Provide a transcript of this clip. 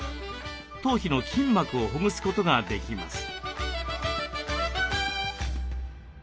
頭皮の筋膜をほぐすことができます。